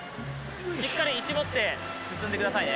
しっかり石持って進んでくださいね。